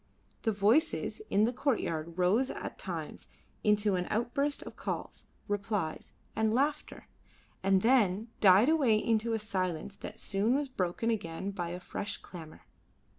The voices in the courtyard rose at times into an outburst of calls, replies, and laughter, and then died away into a silence that soon was broken again by a fresh clamour.